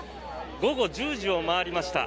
午後１０時を回りました。